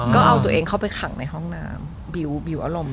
ก็เอาตัวเองเข้าไปขังในห้องน้ำบิวอารมณ์